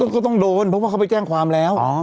ก็ต้องโดนเพราะว่าเขาไปแจ้งความแล้ว